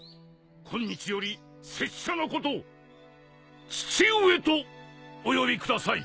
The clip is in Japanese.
今日より拙者のこと「父上」とお呼びください。